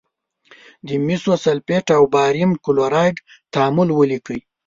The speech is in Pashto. د مسو سلفیټ او باریم کلورایډ تعامل ولیکئ.